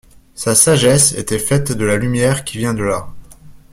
Sa sagesse était faite de la lumière qui vient de là.